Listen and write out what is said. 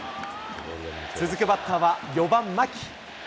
続くバッターは、４番牧。